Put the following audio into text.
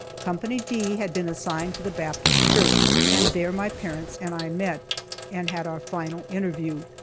Co. D had been assigned to the Baptist church, and there my parents and I met, and had our final interview.